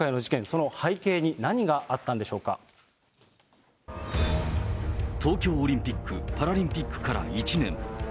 その背景に何があったんでしょう東京オリンピック・パラリンピックから１年。